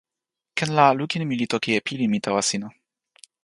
ken la lukin mi li toki e pilin mi tawa sina.